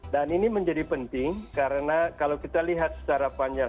dan ini menjadi penting karena kalau kita lihat secara panjang